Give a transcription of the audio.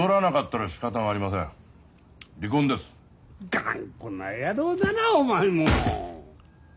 頑固な野郎だなお前も！